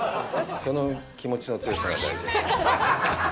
その気持ちの強さが大事。